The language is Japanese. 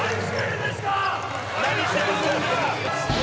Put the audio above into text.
「“何してるんですか！”」